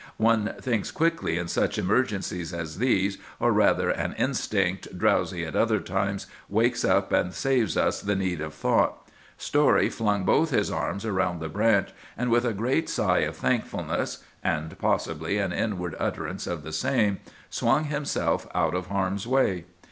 "One thinks quickly in such emergencies as these; or rather an instinct, drowsy at other times, wakes up and saves us the need of thought. Story flung both arms around the branch, and with a great sigh of thankfulness, and possibly an inward utterance of the same, swung himself out of harm's way.